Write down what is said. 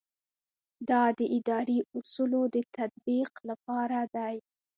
دا د اداري اصولو د تطبیق لپاره دی.